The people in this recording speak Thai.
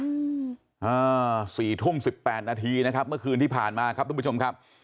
อ่าสี่ทุ่มสิบแปดนาทีนะครับเมื่อคืนที่ผ่านมาครับทุกผู้ชมครับ